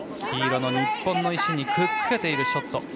黄色の日本の石にくっつけているショット。